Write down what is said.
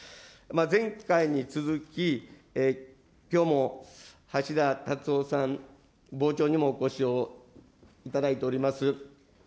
前回に続き、きょうも橋田達夫さん、傍聴にもお越しをいただいております。